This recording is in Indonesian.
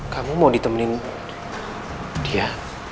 kamu mau ditemani dia